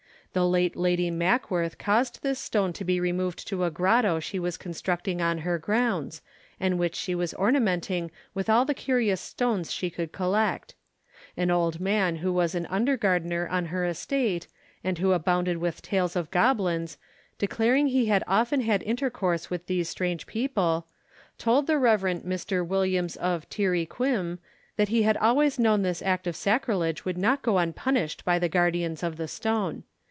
The late Lady Mackworth caused this stone to be removed to a grotto she was constructing on her grounds, and which she was ornamenting with all the curious stones she could collect. An old man who was an under gardener on her estate, and who abounded with tales of goblins, declaring he had often had intercourse with these strange people, told the Rev. Mr. Williams of Tir y Cwm, that he had always known this act of sacrilege would not go unpunished by the guardians of the stone.